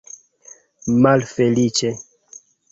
malfeliĉe